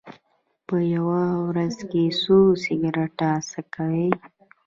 په ورځ کې څو سګرټه څکوئ؟